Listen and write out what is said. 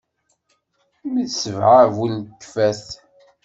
Mmi d ssbeɛ bu lkeffat.